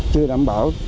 chưa đảm bảo